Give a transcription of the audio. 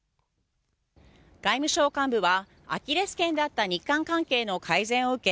外務省幹部はアキレス腱であった日韓関係の改善を受け